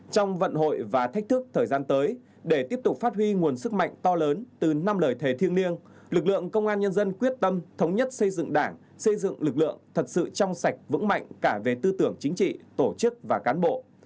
trong vận hội và thách thức thời gian tới để tiếp tục phát huy nguồn sức mạnh to lớn từ năm lời thề thiêng liêng lực lượng công an nhân dân quyết tâm thống nhất xây dựng đảng xây dựng lực lượng thật sự trong sạch vững mạnh cả về tư tưởng chính trị tổ chức và cán bộ